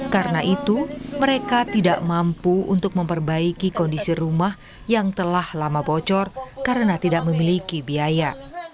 karena itu mereka tidak mampu untuk memperbaiki kondisi rumah yang telah lama bocor karena tidak memiliki biaya